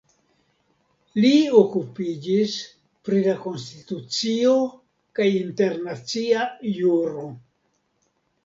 Li okupiĝis pri la konstitucio kaj internacia juro.